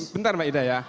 bentar maida ya